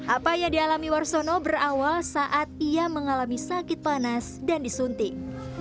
apa yang dialami warsono berawal saat ia mengalami sakit panas dan disuntik